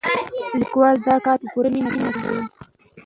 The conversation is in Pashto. لیکوال دا کار په پوره مینه کوي.